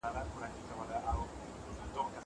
زه هره ورځ لوښي وچوم.